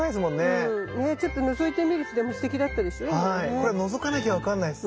これのぞかなきゃ分かんないっす。